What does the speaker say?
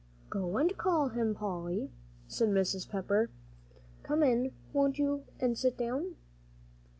"Go and call him, Polly," said Mrs. Pepper, "Come in, won't you, and sit down?"